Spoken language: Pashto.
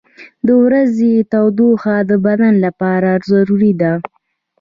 • د ورځې تودوخه د بدن لپاره ضروري ده.